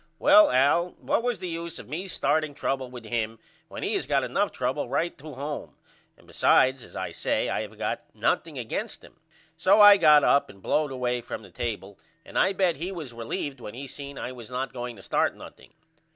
Well Al what was the use of me starting trouble with him when he has got enough trouble right to home and besides as I say I have not got nothing against him. So I got up and blowed away from the table and I bet he was relieved when he seen I was not going to start nothing.